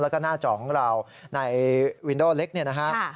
แล้วก็หน้าจอของเราในวินดอลเล็กนี่นะครับ